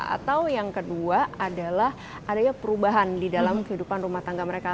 atau yang kedua adalah adanya perubahan di dalam kehidupan rumah tangga mereka